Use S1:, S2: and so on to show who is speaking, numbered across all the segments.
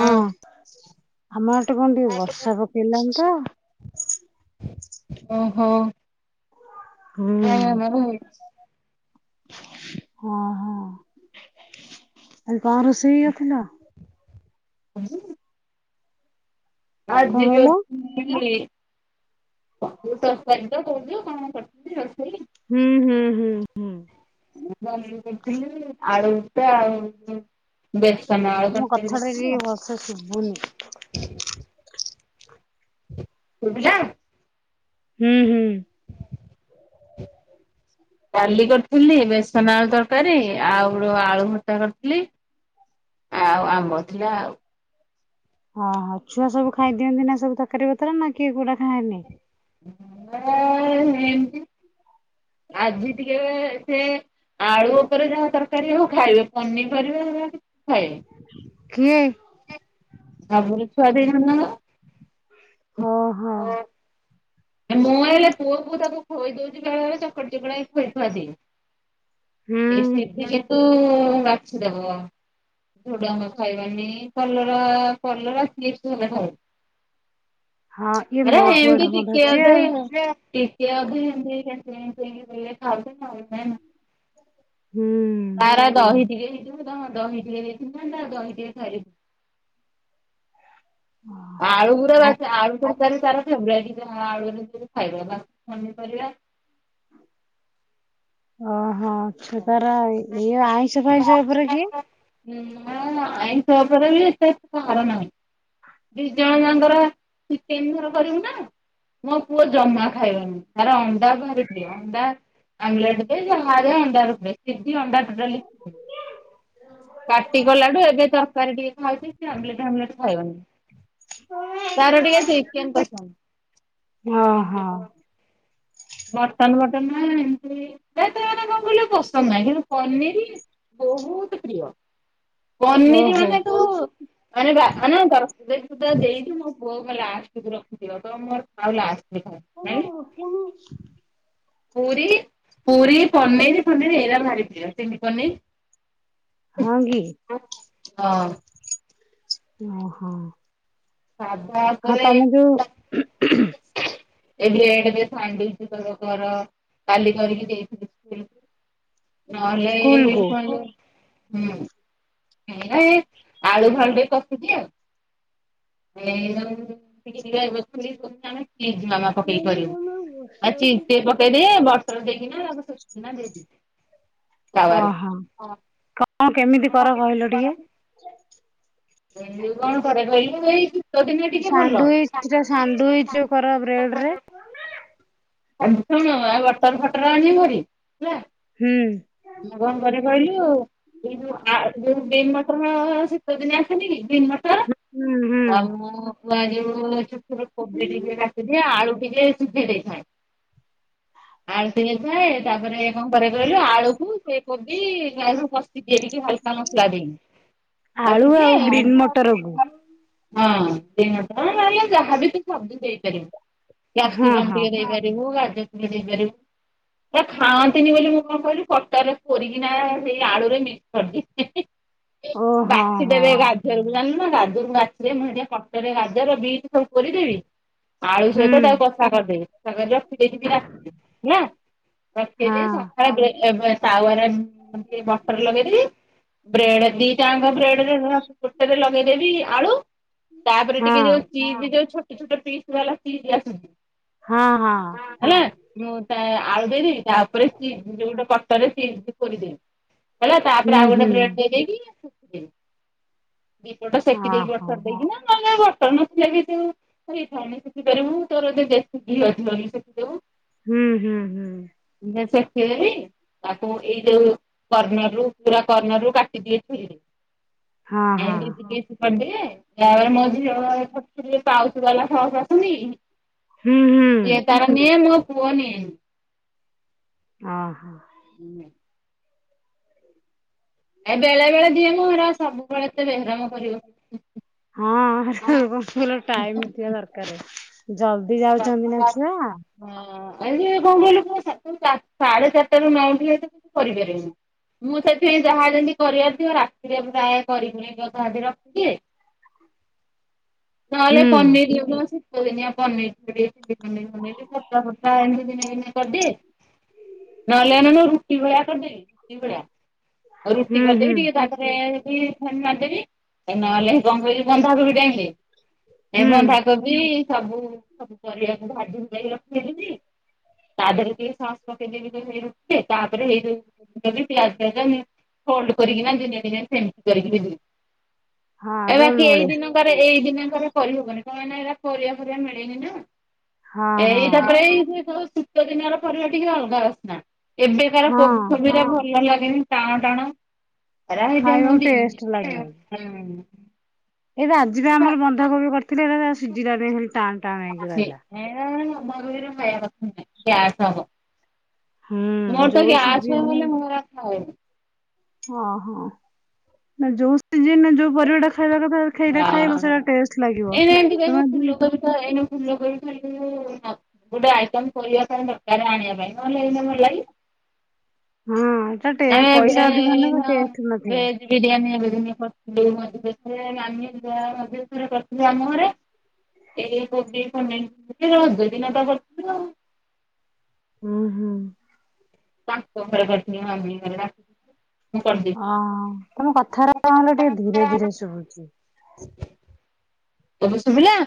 S1: ହଁ ଆମ ଏଟେ କଣ ଟିକେ ବର୍ଷା ପକେଇଲାଣି ତ।
S2: ଓହୋ।
S1: ହୁଁ। ଓହୋ ଆଜି କଣ ରୋଷେଇ କଇଥିଲ?
S2: [unintelligible]
S1: କଣ
S2: ଆଜି
S1: କହିଲ?
S2: କରି [unintelligible]
S1: ହୁଁ ହୁଁ ହୁଁ। ହୁଁ।
S2: ମୁ କଥିଲି ଆଲୁଭର୍ତ୍ତା ଆଉ ବେସନ ଆଳୁ
S1: ମୋ
S2: ତରକାରି
S1: କଥା ଟା ଟିକେ ଭଲସେ ଶୁଭୁନି।
S2: କରିଥିଲି। ଶୁବିଲା।
S1: ହୁଁ ହୁଁ।
S2: ଡ଼ାଲି କରିଥିଲି ବେସନ ଆଳୁ ତରକାରୀ ଆଉ ର ଆଳୁ ଭର୍ତ୍ତା କରିଥିଲି। ଆଉ ଆମ୍ବ ଥିଲା ଆଉ।
S1: ଓ ହ ଛୁଆ ସବୁ ଖାଇଦିଅନ୍ତି ନା ସବୁ ତରକାରୀ ପତର ନା କିଏ କୋଉଟା ଖାଏନି?
S2: [unintelligible] ଆଜି ଟିକେ ସେ ଆଳୁ ଉପରେ ଯାହା ତରକାରୀ ହବ ଖାଇବେ ପନିରପରିବା ହେରା କି ଖାଇବେନି।
S1: କିଏ? ଓହୋ।
S2: [unintelligible] ମୁଁ ଏଇଳେ ପୁଅକୁ ତାକୁ ଖୋଇ ଦଉଛି ବେଳେବେଳେ ଚକଟି ଚୁକୁଟିକି ଖୋଇ ଖୁଆ ଦିଏ।
S1: ହୁଁ।
S2: ସେଠି କିନ୍ତୁ ବାଛି ଦବ। ଝୁଡଙ୍ଗ ଖାଇବାନି କଲରା କଲରା ଚିପ୍ସ ହେଲେ ଖାଇବ।
S1: ହଁ ଇଏ
S2: ଆରେ
S1: ମୋ ପୁଅ ଢଙ୍ଗ ଧର
S2: [unintelligible] [unintelligible] ଦହି ଟିକେ ହେଇଥିବ ତ ଦହି ଟିକେ
S1: ହୁଁ।
S2: ହେଇଥିବ ନା ନା ଦହି ଟିକେ ଖାଇବ। ଆଳୁ ପୁରା
S1: ଆ
S2: ତା ଆଳୁ ତରକାରୀ ତାର ଫେବରାଇଟ [unintelligible] ବାକି ପନିପରିବା
S1: ଓହୋ ଛୁ ତାର ଇଏ ଆଇଁଷ ଫାଇଁଷ ଉପରେ କିଏ?
S2: ହଁ ଆଇଁଷ ଓପରେ ବି [unintelligible] ଦି ଜଣ ଯାଙ୍କର ଚିକେନ ଧର କରିବୁ ନା ମୋ ପୁଅ ଜମା ଖାଇବନି ତାର ଅଣ୍ଡା ଭାରି ପ୍ରିୟ ଅଣ୍ଡା ଅମେଲେଟ ଟିକେ ଜମାରୁ ଅଣ୍ଡା [unintelligible] ପାଟି କଲାଠୁ ଏବେ ତରକାରୀ ଟିକେ ଖାଉଛି ସିଏ ଅମଲେଟ ଫମଲେଟ ଖାଇବନି। ତାର ଟିକେ ଚିକେନ ପସନ୍ଦ ଚିକେନ
S1: ହ
S2: ମଟନ ଫଟନ ନା ଏମତିରେ ହେ ତାର କଣ କହିଲୁ ପସନ୍ଦ ନାହିଁ କିନ୍ତୁ ପନିର ବହୁତ ପ୍ରିୟ ପନିର
S1: ଓହୋ
S2: ମାନେ ତୁ [unintelligible] ମୋ ପୁଅ କ ଲାଷ୍ଟୁ ରଖିଥିବ ତ ମୋର ଆଉ ଲାଷ୍ଟ [unintelligible] ପୁରି ପୁରି ପନିର ଫନିର ଏଇରା ଭାରି ପ୍ରିୟ ଚିଲି ପନିର।
S1: ହଁ କି?
S2: ହଁ।
S1: ଓହୋ।
S2: ସାଧା ଉପରେ ତା
S1: ହଁ।
S2: ଏବେ ଏଇ ବ୍ରେଡ ଆଣିଛି ଦେଖ କଲର କର କାଲି କରିକି ଦେଇଥିଲ।
S1: ସ୍କୁଲ
S2: ନହେଲେ
S1: କୁ
S2: ହୁଁ ଏରା ଏଇ ଆଳୁ ଫାଳୁ କଷିଛିି ଆଉ। [inaudible] ପକେଇ କରିବୁ ଆଉ
S1: ମମି ମମି
S2: ଚିିନି
S1: ବର୍ଷା ହଉଛି କି?
S2: ପକେଇଦି ବର୍ଟର ଦେଇକିନା ଦେଇ
S1: ଓହୋ କଣ କେମିତି କର କହିଲ ଟିକେ।
S2: ଏ କଣ କରେ କହିଲୁ ମୁଁ ଏଇଠି ତୋ ଦିନ ଟିକେ ଭଲ
S1: ସାଣ୍ଡୱିଚ ଟା ସାଣ୍ଡୱିଚ ଯୋଉ କର ବ୍ରେଡ ରେ
S2: [unintelligible] ଆଜି କଣ ଆଉ ବଟର ଫଟର ଆଣିବୁ ଭାରି ହେଲା।
S1: ହୁଁ।
S2: ମୁଁ କଣ କରେ କହିଲୁ ଏ ଯୋଉ ବିମ ମଟନ ଶୀତ ଦିନ ଆସ ଵିମ୍ ମଟର
S1: ହୁଁ ହୁଁ
S2: ଆଉ କୁଆଡେ ଗଲେ। ମୁଁ କହିଲି କୋବି ଟିକେ କାଟି ଦିଏ, ଆଳୁ ଟିକେ ଶିଝେଇ ଦିଏ। ଆଳୁ ଶିଜେଇ ଥାଏ, ତାପରେ କଣ କରେ କହିଲୁ ଆଳୁକୁ ସେ କୋବି ଗଢ଼ି ରୁ ସିଝେଇ ଦେଇକି ହାଲକା ମସଲା ଦେଇକି।
S1: ଆଳୁ ଆଉ ଗ୍ରୀନ୍ ମଟରକୁୁ
S2: କଷିଦିଏ ହଁ, ସେଇ ମଟର ନ ହେଲେ ଯାହାବି ତୁ ସବଜି ଦେଇପାରିବୁ।
S1: ହଁ
S2: କ୍ୟାପସିଗମ୍
S1: ହଁ।
S2: ଟିକେ ଦେଇପାରିବୁ ଗାଜ୍ ର ଟିକେ ଦେଇପାରିବୁ। ସେ ଖାଆନ୍ତିନି ବୋଲି ମଁ କଣ କହିଲୁ କଟର ରେ କୋରି କିନା ସେଇ ଆଳୁରେ ମିକ୍ସ କରି ଦିଏ, ହେଁ, ହେ।
S1: ଓ ହଁ ହଁ।
S2: [unintelligible] ନା ଗାଜରକୁ ମୁଁ ଟିକେ ରାତିରେ କଟର ରେ ଗାଜର ବିଟ ସବୁ କୋରି ଦେବି। ଆଳୁ
S1: ହୁଁ
S2: ସହିତ ତାକୁ କଷା କରି ଦେବି କରି ରଖି ଦେଇଥିବି ହେଲା। ରଖି
S1: ହଁ
S2: ଦିଏ ସଖାଳୁ ବେଲେ ଏ ତାଉଆ ରେ ଟେ ବଟର ଲଗେଇ ଦବି ବ୍ରେଡ ଦି ଟାଙ୍କ ବ୍ରେଡ ଗୋଟେ ରେ ମୁଁ ଗୋଟେ ରେ ଲଗେଇଦେବି ଆଳୁ। ତାପରେ
S1: ହଁ
S2: ଟିକେ ଯୋଉ ଚିଜ୍ ଯୋଉ ଛୋଟ କିଛି ଗୋଟେ ପିସ୍ ରା ଲାଗିକି ଆସୁଛି।
S1: ହଁ ହଁ।
S2: ହେଲା ମୁଁ ତା ଆଳୁ ଦେଇ ଦେବି। ତାପରେ ସି ଯ ଗୋଟେ କଟରେ ସି କୋରି ଦିଏ। ହେଲା
S1: ହୁଁ
S2: ତାପରେ ଆଉ ଗୋଟେ
S1: ହୁଁ
S2: ବ୍ରେଡ ଦେଇ ଦେଇକି ଦି ପଟ ସେକି ଦେଇକି
S1: ଓହୋ
S2: ବଟର ଦେଇକି ନା ନେ ବଟ ଛେଲି ଯୋଉ ସେଇ ଶିଖି ପାରିବୁ ତୋର ରେସିପି ଅଛିି ବୋଲି ଶିଖିବୁ।
S1: ହୁଁ, ହୁଁ, ହୁଁ।
S2: ଯେ ସେକି ଦେବି। ତାକୁ ଏଇ ଯୋଉ କର୍ଣ୍ଣର ରୁ ପୁରା କର୍ଣ୍ଣର ରୁ କାଟି ଦେଇ ଥିଲି।
S1: ହଁ
S2: ଏମ୍
S1: ହଁ
S2: ତି ଟିକେ କରି ଦିଏ। ତାପରେ ମୋ ଝିଅ ପାଉଜ ବାଲା ଫସ ଅଛନ୍ତି।
S1: ହୁଁ, ହୁଁ।
S2: ସିଏ ତାର ନିଏ ମୋ ପୁଆ ନିଏ ନି।
S1: ଅ, ହଁ।
S2: ହୁଁ। ଏ ବେଳେ ବେଳେ ଦିଏ, ମୋ ଏଣେ ଆଉ ସବୁବେଳେ ତେ ବେହେ ରାମ କରିବ।
S1: ହଁ, ପପୁଲାର ଟାଇମ୍ ଥିବା ଦରକାର। ଜଲଦି ଯାଉଛନ୍ତି ନା ଛୁଆ।
S2: ହଁ ଇଏ କଣ କହିଲୁୁ ମୁ ସଖାଳୁ ସାଢେ ଚାରିଟା ର ନୁଥିଲେ ତ କିଛି କରି ପାରିନି। ମୁଁ ସେଥିପାଇଁ ଯାହା ଯେମିତି କରିବାର ଥିବ ରାତିରେ ପ୍ରାୟ କରିବିନି ଯ ଯାହା ରଖି ଦିଏ।
S1: [unintelligible]
S2: ନ ହେଲେ
S1: ହୁଁ
S2: ପନିର [unintelligible] ଶୀତ ଦିନିଆ ପନିର। [unintelligible] ନେଇ ଫଟା ଫଟା ଏମିତି ଦିନେ ଦିନେ କରିଦିଏ। ନ ହେଲେ ଅନଉନୁ ରୁଟି ଭଳିଆ କରି ଦେବି ରୁଟି ଭଳଆ ରୁଟି
S1: ହୁଁ ହୁଁ
S2: କରିଦେଇ ଟିକେ ତାପରେ ହଉଚି [unintelligible] ମାରଦେବି ନହେଲେ କଣ କହିଲୁ ବନ୍ଧା କୋବି ଟାଇମ ରେ
S1: ହୁଁ।
S2: ବନ୍ଧା କୋବି ସବୁ, ସବୁ ପରିବାକୁ ଭାଜି ଭୂଜାକି ରଖି ଦେବି। ତା ଦେହରେ ଟିକେ ସସ୍ ପକେଇ ଦେବୀ ସେଇ ରୁଟିରେ ତାପରେ ହେଇ ପିଆଜ ହୋଲ୍ଡ କରିକି ନା ଦିନେ ଦିନେ ସେମତି କରି କି ଦେଇ ଦଉଛି।
S1: [inaudible]
S2: ଏ
S1: ରୋଲ
S2: ବାକି ଏଇ
S1: ଭଳିଆ
S2: ଦିନରେ ଏଇ ଦିନ କରେ କରିହବନି କଣ ଏଇନା ପରିବା ଫରିବା ମିଳି
S1: ହଁ ହଁ
S2: ଏଇ ତ ଏଇ ଶୀତ ଦିନ ଟ ପରିବା ଟିକେ ଅଲଗା ବାସ୍ନା। ଏବେ କାର କୋବି
S1: ହଁ
S2: ଫୋବିରା ଭଲ ଲାଗେନି ଟାଣ ଟାଣ। ହେରା ହେତି ପାଇଁ ମୁଁ
S1: ଖାଇବାକୁ ଟେଷ୍ଟ
S2: ଦିଏନି [unintelligible]
S1: ଏରା ଆଜି ପା ଆମର ବନ୍ଧାକୋବି କରିଥିଲି ଏଇରା ସିଝିଲାନି ହେଲେ ଟାଣ ଟାଣ ହେଇକି ରହିଲା।
S2: [unintelligible] ଗ୍ୟାସ୍ ହବ।
S1: ହୁଁ
S2: ମୋର୍ ତ
S1: ଯୋଉ
S2: ଗ୍ୟାସ୍ ହୁଏ
S1: ସିଜିନରେ
S2: ବୋଲି ମୁଁ ଏଗୁରା ଖାଇନି।
S1: ଅହ ନା ଯୋଉ ସିଜନରେ ଯୋଉ ପରିବାଟା ଖାଇବା କଥା ଖାଇ ଦେ
S2: ଆ
S1: ଖାଇବ ସେଇଟା ଟେଷ୍ଟ୍ ଲାଗିବ ତମେ [unintelligible]
S2: [unintelligible] ଗୁଟେ ଆଇଟମ୍ କରିଆ ପାଇଁ ଦରକାର୍ ଆଣିବା ପାଇଁ ନଏଲେ ଏଇ ଯୋଉଁ ଏଲାଣି।
S1: ହୁଁ ଏଟା ଟେ
S2: ଆମେ ଏବେ
S1: ପଇସା ଅଧିକ
S2: ଏଇନ
S1: ନେବ ଟେଥ୍ ନଥିବ।
S2: [unintelligible] କରିଥିଲେ ଆମ ଘରେ। ଏହି କୁବି ପନିନ୍ ଅଦେ ଦିନଟା କରିଥିବେ ଆଉ।
S1: ଉଁ ହୁଁ।
S2: [unintelligible] ମୁଁ କରିଦେଇଥିଲି।
S1: ଅଁ ତମ କଥାରା [unintelligible] ଟିକେ ଧୀରେ ଧୀରେ ଶୁଭୁଚି।
S2: ଏବେ ଶୁବିଲା?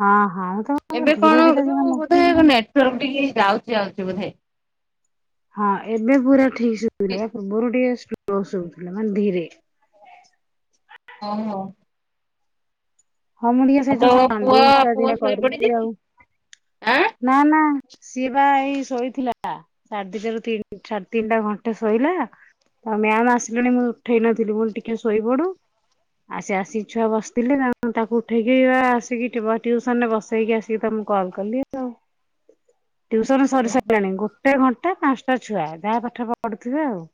S1: ହଁ ହଁ। ତମ
S2: ଏବେ
S1: ଧୀରେ
S2: କଣ
S1: ଧୀରେ
S2: ଯୋଉ
S1: ମାନେ
S2: ବୋଧେ ନେଟୱାର୍କ ଟିକେ ଯାଉଚି ଆଉଚି ବୋଧେ।
S1: ହଁ ଏବେ ପୁରା ଠିକ୍ ସୁବିଲା ୟା ପୂର୍ବରୁ ଟିକେ ସ୍ଲୋ ସୁବୁଥିଲା ମାନେ ଧୀରେ।
S2: ଓହୋ।
S1: ହଁ ମୁଁ ଟିକେ ସେ
S2: ଆଉ ତୋ
S1: ଯୋଉ
S2: ପୁଅ
S1: ସାଣ୍ଡୱିଚଟା
S2: ପୁଅ
S1: ଦିନେ
S2: ଶୋଇ
S1: କରିବି
S2: ପଡିଚିକି
S1: ଆଉ।
S2: ଆଁ?
S1: ନା ନା ସିଏ ବା ଏଇ ଶୋଇଥିଲା। ସାଡ଼ ଦିଟା ରୁ ତିନ ସାଡ଼େ ତିଟା ଘଣ୍ଟେ ଶୋଇଲା। ତା ମ୍ୟାମ୍ ଆସିଲେଣି ମୁଁ ଉଠେଇ ନଥିଲି ମୁଁ ଟିକେ ଶୋଇପଡ଼ୁ। ଆ ସେ ଆସିକି ଛୁଆ ବସ୍ତିଲେ ନା ମୁଁ ତାଙ୍କୁ ଉଠେଇକି ଆସିକି ଏଟି ବ ଟ୍ୟୁସନ୍ ରେ ବସେଇକି ଆସିକି ତମକୁ କଲ୍ କଲି ଆଉ। [inaudible] ଟ୍ୟୁସନ୍ ସରି ସାଇଲାଣି ଗୋଟେ ଘଣ୍ଟା ପାଞ୍ଚାଟା ଛୁଆ ଯାହା ପାଠ ପଢ଼ୁଥିବେ ଆଉ।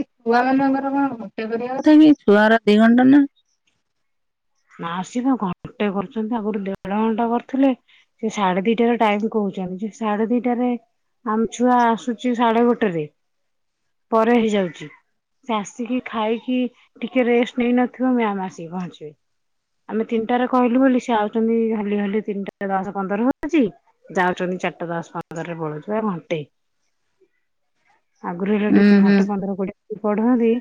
S2: ଇ ଛୁଆ ମାନଙ୍କର କଣ ଗୋଟେ କରିବା କଥା କି ଛୁଆଗୁରା ଦି ଘଣ୍ଟା ନା।
S1: ନା ସିଏବା ଘଣ୍ଟେ କରୁଚନ୍ତି ଆଗରୁ ଦେଢ଼ ଘଣ୍ଟା କରୁଥିଲେ। ସେ ସାଢ଼େ ଦିଟରେ ଟାଇମ୍ କଉଚନ୍ତି ସାଡ଼େ ଦିଟାରେ ଆମ୍ ଛୁଆ ଆସୁଛି ସାଢ଼େ ଗୋଟେରେ ପରେ ହେଇଯାଉଛି। ସେ ଆସିକି ଖାଇକି ଟିକେ ରେଷ୍ଟ୍ ନେଇନଥିବ ମ୍ୟାମ୍ ଆସିକି ପହଞ୍ଚିବେ। ଆମେ ତିନଟାରେ କଇଲୁ ବୋଲି ସେ ଆଉଚନ୍ତି ହଲି ହଲି ତିନିଟା ଦଶ୍ ପନ୍ଦର ହଉଚି। ଯାଉଚନ୍ତି ଚାର୍ଟା ଦସ୍ ପନ୍ଦରରେ ପଳଉଚି ବା ଘଣ୍ଟେ। ଆଗରୁ ହେଲେ
S2: ହୁଁ
S1: ଟିକେ
S2: ହୁଁ
S1: ଘଣ୍ଟେ ପନ୍ଦର କୋଡି଼ଏ ମିନିଟ୍ ପଢ଼ନ୍ତି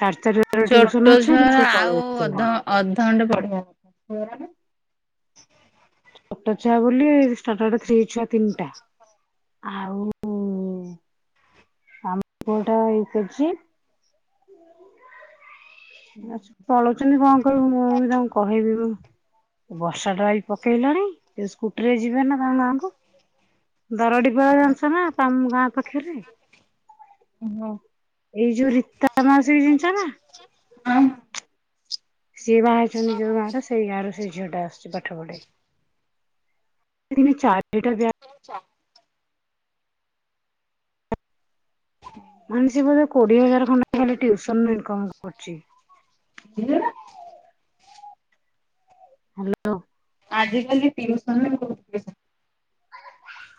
S1: ସାଡ଼େ ଚାର୍
S2: ଚୋଟ ଛୁଆଉରା ଆଉ ଅଧ ଅଧଘଣ୍ଟେ ପଢ଼ିବା। [unintelligible]
S1: ଟୋ ଛୁଆ ବୋଲି [unintelligible] ଛୁଆ ତିନିଟା ଆଉ ଆମ୍ ପୁଆଟା ଏଇଟି ଅଚି। [inaudible] ପଳଉଚନ୍ତି କଣ କରିବୁ ମୁଁ ବି ତାଙ୍କୁ କହିବି ମୁଁ ବର୍ଷାଟା ଏଇ ପକେଇଲାଣି ସିଏ ସ୍କୁଟି ରେ ଯିବେ ନା ତାଙ୍କ ଗାଁକୁ। ଦାରଡ଼ିପାଳ ଜାଣି ଚ ନା ତମ ଗାଁ ପାଖରେ।
S2: [inaudible]
S1: ଏଇ ଯୋଉ ରୀତା ମାଉସିକି ଚିନିଛ ନା।
S2: ହଁ
S1: ସିଏ ବାହାହିଛନ୍ତି ଯୋଉ ଗାଁ ଟା ସେ ସେଇ ଗାଁ ର ସେଇ ଝିଅଟା ଆସୁଛି ପାଠ ପଢ଼େଇ [inaudible] ଚାରିଟା ବ୍ୟା
S2: [inaudible]
S1: ମାନେ ସିଏ ବୋଧେ କୋଡିଏ ହଜାର୍ ଖଣ୍ଡେ ଖାଲି ଟ୍ୟୁସନ୍ ରେ ଇନ୍କମ କରୁଛି।
S2: [inaudible]
S1: ହାଲୋ
S2: ଆଜ କାଲି ଟିଉସନ୍ ବି ବହୁତ୍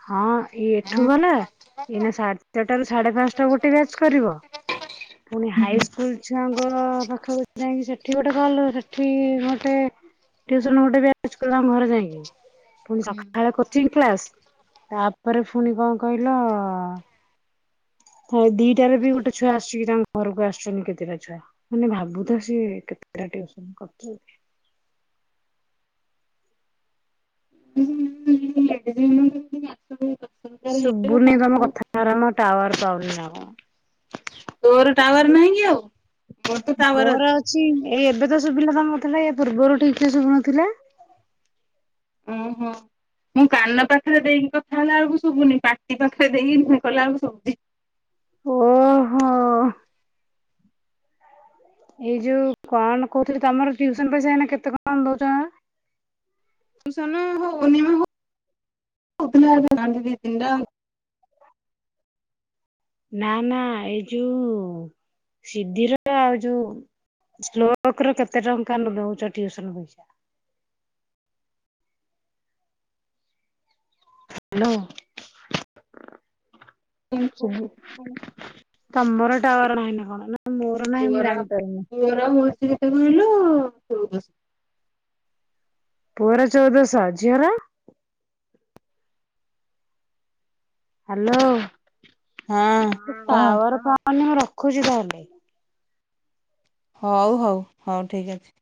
S1: ହଁ ଇ ଏଠୁ
S2: ହଁ।
S1: ଗଲା ଏଇନା ସାତଟାରୁ ସାଢ଼େ ପାଞ୍ଚଟା ଗୋଟେ ବ୍ୟାଚ କରିବ ପୁଣି
S2: ହୁଁ।
S1: ହାଇସ୍କୁଲ୍ ଛୁଆଙ୍କ ପାଖକୁ ଯାଇକି ସେଠି ଗୋଟେ କଲ୍ ସେଠି ଘଣ୍ଟେ ଟୁଉସନ ଗୋଟ ବ୍ୟାଚ୍ କରିବ ତାଙ୍କ ଘରେ ଯାଇକି। ପୁଣି
S2: ହୁଁ।
S1: ସକାଳେ କୋଚିଂ କ୍ଲାସ୍ ତାପରେ ଫୁଣି କଣ କହିଲ? ହଁ ଦିଟାରେ ବି ଗୋଟେ ଛୁଆ ଆସଛିି ତାଙ୍କ ଘରକୁ ଆସୁଛନ୍ତି କେତେଟା ଛୁଆ ମାନେ ଭାବୁଥା ସିଏ କେତେଟା ଟିଉସନ୍ କରୁଛନ୍ତି।
S2: ହୁଁ [inaudible]
S1: ଶୁଭୁନି ତମ କଥାର ମ ଟାୱାର ପାଉନି ନା କଣ?
S2: ତୋର ଟାୱାର ନାହିଁ କି ଆଉ ମୋର ତ ଟାୱାର
S1: ମୋର
S2: ଅଛି।
S1: ଏଇ ଏବେ ତ ଶୁଭିଲା ତମ କଥାଟା। ୟା ପୂର୍ବରୁ ଠିକରେ ସୁଭୁନଥିଲା।
S2: ଓହୋ। ମୁଁ କାନ ପାଖରେ ଦେଇକି କଥା ହେଲା ବେଳକୁ ସୁଭୁନି ପାଟି ପାଖରେ ଦେଇକି କଲାବଳକୁ ଶୁଭୁଛି।
S1: ଓହୋ। ଏଇ ଯୋଉ କଣ କହୁଥିଲି ତମର ଟୁଉସନ ପଇସା ଏଇନା କେତେ କଣ ଦଉଛ
S2: [unintelligible]
S1: ନା ନା ଏ ଯୋଉ ସିଧିର ଆଉ ଯୋଉ ସ୍ଲୋକର କେତେ ଟଙ୍କା ଦଉଛ ଟିଉସନ ପଇସା। ହାଲୋ
S2: [unintelligible]
S1: ତମର ଟାୱାର ନାହିଁ ନା କଣ ନା ମୋର ନାହିଁ ମୁଁ ଜାଣିପାରୁିନି।
S2: ମୋର ହଉଛି କେତେ କହିଲୁ ଚୋଉଦସ
S1: ପୁଅର ଚଉଦଶହ ଝିଅର? ହ୍ୟାଲୋ
S2: ହଁ କହ
S1: ଟାୱାର ପାଉନି। ମୁଁ ରଖୁଛି ତାହେଲେ
S2: ହଉ ହଉ ହଉ ଠିକ୍ ଅଛି।